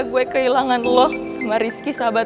gue ga mau maksain lo sama rizky jadian put